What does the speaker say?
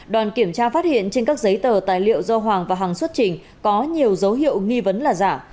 đoàn kiểm tra phát hiện trên các giấy tờ tài liệu do hoàng và hàng xuất trình có nhiều dấu hiệu nghi vấn là giả